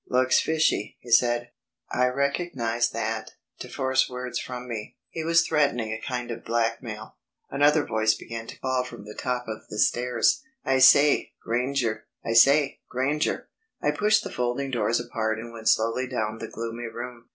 "Looks fishy," he said. I recognised that, to force words from me, he was threatening a kind of blackmail. Another voice began to call from the top of the stairs "I say, Granger! I say, Granger...." I pushed the folding doors apart and went slowly down the gloomy room.